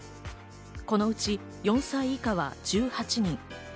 このうち４歳以下は１８人。